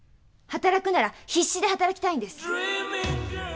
働くなら必死で働きたいんです！